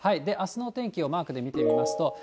あすの天気をマークで見てみますと。